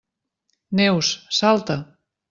Neus, salta!